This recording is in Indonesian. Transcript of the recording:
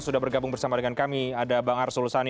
sudah bergabung bersama dengan kami ada bang arsul sani